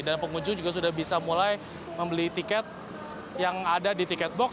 dan pengunjung juga sudah bisa mulai membeli tiket yang ada di tiket box